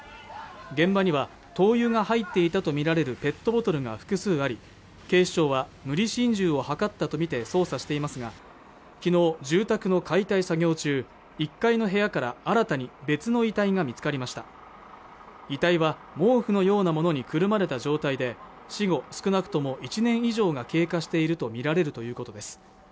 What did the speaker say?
現場には灯油が入っていたと見られるペットボトルが複数あり警視庁は無理心中を図ったとみて捜査していますが昨日住宅の解体作業中１階の部屋から新たに別の遺体が見つかりました遺体は毛布のようなものにくるまれた状態で死後少なくとも１年以上が経過していると見られるということです